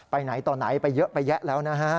ไปไหนต่อไหนไปเยอะไปแยะแล้วนะฮะ